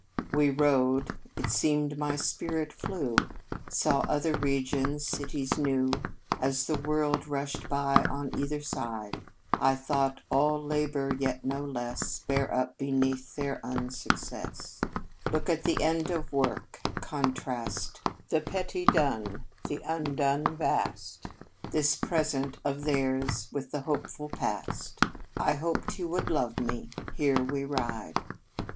"We rode; it seemed my spirit flew, Saw other regions, cities new, As the world rushed by on either side. I thought, All labor, yet no less Bear up beneath their unsuccess. Look at the end of work, contrast The petty Done, the Undone vast, This present of theirs with the hopeful past! I hoped he would love me. Here we ride."